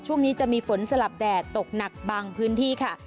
ช่วงนี้จะมีฝนสลับแดดตกหนักบางพื้นที่ค่ะ